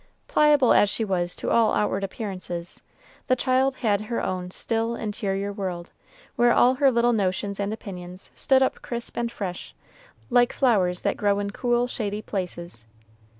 Pliable as she was to all outward appearances, the child had her own still, interior world, where all her little notions and opinions stood up crisp and fresh, like flowers that grow in cool, shady places.